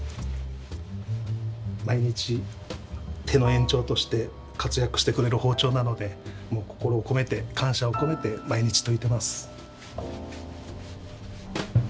毎日手の延長として活躍してくれる包丁なのでもう心を込めて感謝を込めて毎日研いでます。